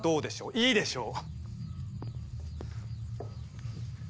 いいでしょう。